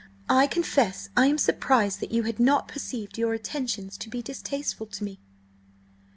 I confess I am surprised that you had not perceived your attentions to be distasteful to me."